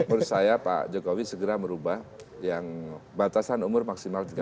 menurut saya pak jokowi segera merubah yang batasan umur maksimal tiga puluh